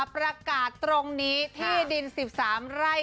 ประกาศตรงนี้ที่ดิน๑๓ไร่